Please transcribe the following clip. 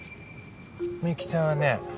美由紀ちゃんはね